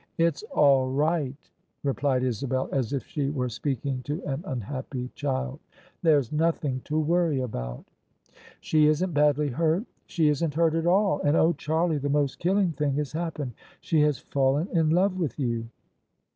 " It's all right," replied Isabel, as if she were speaking to an unhappy child. " There's nothing to worry about," "She isn't badly hurt?" " She isn't hurt at all. And, oh ! Charlie, the most killing thing has happened. She has fallen in love with you